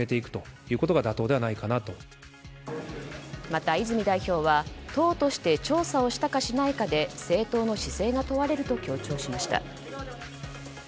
また、泉代表は党として調査をしたかしないかで政党の姿勢が問われると強調しました。